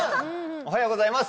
おはようございます。